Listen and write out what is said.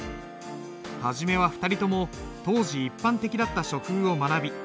初めは２人とも当時一般的だった書風を学び